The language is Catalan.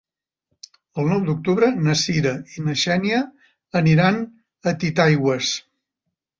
El nou d'octubre na Cira i na Xènia aniran a Titaigües.